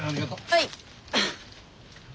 はい。